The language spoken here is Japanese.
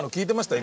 今。